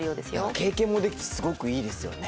経験もできて、すごくいいですよね。